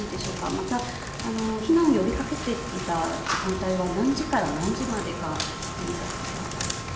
また避難を呼びかけていた時間は何時から何時までか。